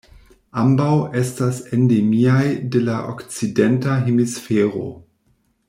Ambaŭ estas endemiaj de la Okcidenta Hemisfero.